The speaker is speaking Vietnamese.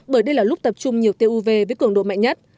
bởi đây là lúc tập trung nhiều tiêu uv với cường độ mạnh nhất